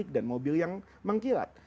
dan mobil yang mengkilat